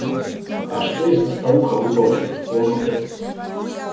А что если старуха выползет из комнаты?